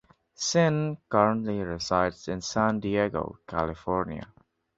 Sinn currently resides in San Diego, California.